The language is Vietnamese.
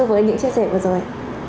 với những chia sẻ vừa rồi